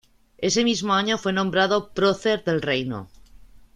Ese mismo año fue nombrado Prócer del Reino.